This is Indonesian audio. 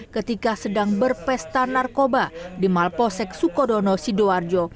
ketika sedang berpesta narkoba di malposek sukodono sidoarjo